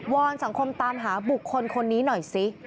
อนสังคมตามหาบุคคลคนนี้หน่อยสิ